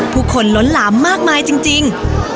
ผู้คนล้นหลามมากมายจริง